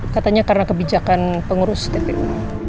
katanya karena kebijakan pengurus dpu